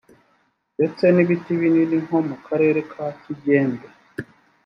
ndetse n ibiti binini nko mu karere ka kigembe